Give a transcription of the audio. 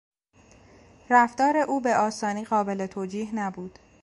رفتار او به آسانی قابل توجیه نبود.